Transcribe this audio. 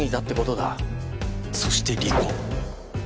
そして離婚